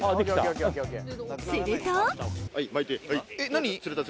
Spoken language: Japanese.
すると！